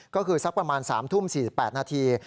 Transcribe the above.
ก็คือสักประมาณ๓ทุ่ม๔๘นาที